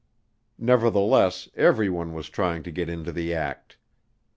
Nevertheless, everyone was trying to get into the act.